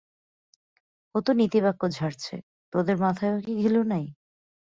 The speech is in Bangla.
ও তো নীতিবাক্য ঝাড়ছে, তোদের মাথায়ও কি ঘিলু নাই?